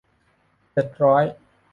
เจ็ดร้อย